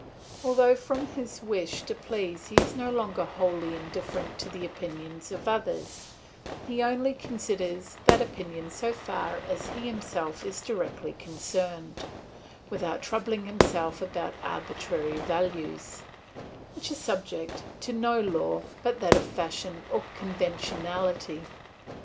Although from his wish to please he is no longer wholly indifferent to the opinion of others, he only considers that opinion so far as he himself is directly concerned, without troubling himself about arbitrary values, which are subject to no law but that of fashion or conventionality.